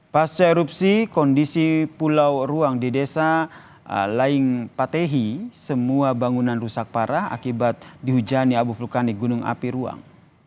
pas erupsi kondisi pulau ruang di desa laing patehi semua bangunan rusak parah akibat dihujani abu vulkanik gunung api ruang